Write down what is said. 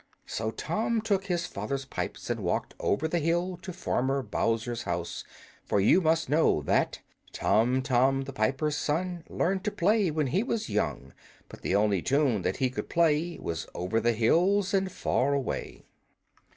So Tom took his father's pipes and walked over the hill to Farmer Bowser's house; for you must know that Tom, Tom, the piper's son, Learned to play when he was young; But the only tune that he could play Was "Over the hills and far away."